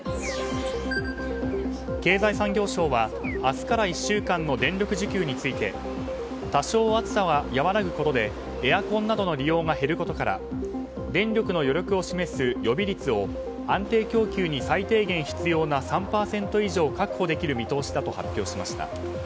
経済産業省は明日から１週間の電力需給について多少、暑さは和らぐことでエアコンなどの利用が減ることから電力の余力を示す予備率を安定供給に最低限必要な３％以上を確保できる見通しだと発表しました。